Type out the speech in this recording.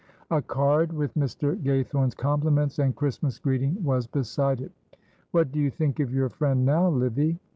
A card, with Mr. Gaythorne's compliments and Christmas greeting, was beside it. "What do you think of your friend now, Livy?"